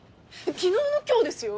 昨日の今日ですよ？